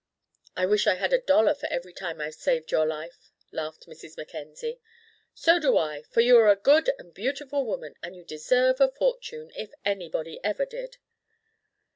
"I wish I had a dollar for every time I've saved your life," laughed Mrs. Mackenzie. "So do I, for you are a good and beautiful woman, and you deserve a fortune, if anybody ever did."